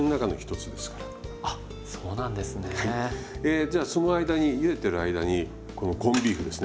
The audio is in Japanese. えじゃあその間にゆでてる間にこのコンビーフですね。